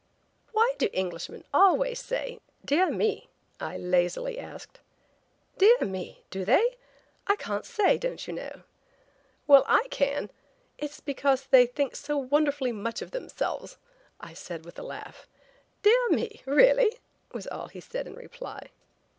"Why do Englishmen always say 'Deah me!' " I lazily asked. "Deah me! Do they? I can't sai, don't you know." "Well, I can. It's because they think so wonderfully much of themselves," I said with a laugh. "Deah me! Really?" was all he said in reply.